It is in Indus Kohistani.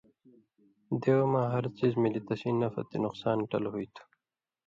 دے او ما ہر څیزہۡ ملی تسیں نفع تے نقصان ٹل ہُوئ تُھو